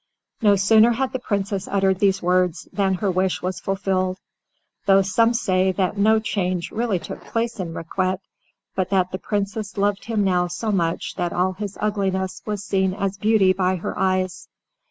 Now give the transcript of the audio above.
No sooner had the Princess uttered these words than her wish was fulfilled, though some say that no change really took place in Riquet, but that the Princess loved him now so much that all his ugliness was seen as beauty by her eyes.